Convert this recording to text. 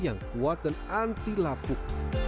untuk membuat dan anti lapuk